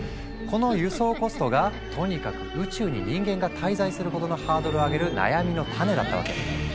この輸送コストがとにかく宇宙に人間が滞在することのハードルを上げる悩みの種だったわけ。